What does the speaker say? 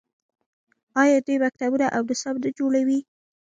آیا دوی مکتبونه او نصاب نه جوړوي؟